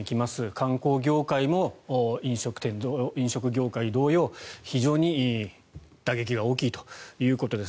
観光業界も飲食業界同様非常に打撃が大きいということです。